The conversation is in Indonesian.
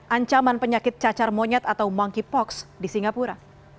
ancaman penyakit cacar monyet atau monkeypox di singapura